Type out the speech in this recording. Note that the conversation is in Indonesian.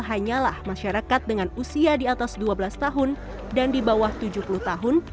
hanyalah masyarakat dengan usia di atas dua belas tahun dan di bawah tujuh puluh tahun